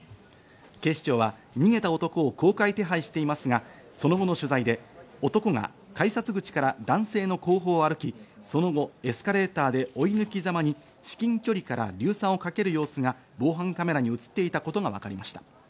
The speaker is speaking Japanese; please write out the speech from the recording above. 警視庁は逃げた男を公開手配していますが、その後の取材で男が改札口から男性の後方を歩き、その後エスカレーターで追い抜きざまに至近距離から硫酸をかける様子が防犯カメラに映っていたことがわかりました。